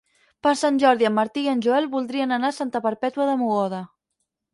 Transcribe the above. Per Sant Jordi en Martí i en Joel voldrien anar a Santa Perpètua de Mogoda.